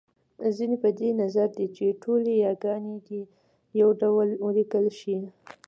ځينې په دې نظر دی چې ټولې یاګانې دې يو ډول وليکل شي